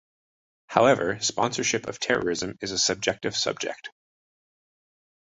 However, sponsorship of terrorism is a subjective subject.